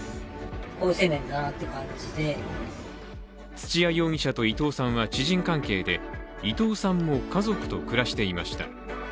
土屋容疑者と伊藤さんは知人関係で伊藤さんも家族と暮らしていました。